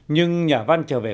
nhưng nhà văn trở về